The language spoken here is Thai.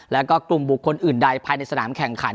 แล้วก็กลุ่มบุคคลอื่นใดภายในสนามแข่งขัน